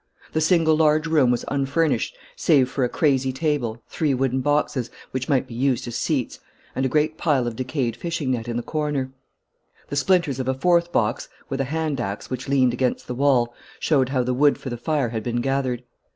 The single large room was unfurnished save for a crazy table, three wooden boxes, which might be used as seats, and a great pile of decayed fishing net in the corner. The splinters of a fourth box, with a hand axe, which leaned against the wall, showed how the wood for the fire had been gathered.